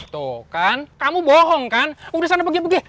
tuh kan kamu bohong kan udah sana pergi pergi